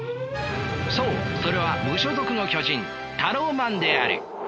そうそれは無所属の巨人タローマンである。